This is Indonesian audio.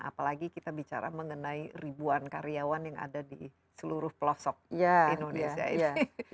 apalagi kita bicara mengenai ribuan karyawan yang ada di seluruh pelosok di indonesia ini